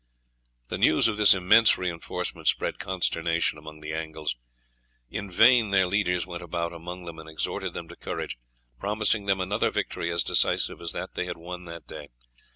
The news of this immense reinforcement spread consternation among the Angles. In vain their leaders went about among them and exhorted them to courage, promising them another victory as decisive as that they had won that day.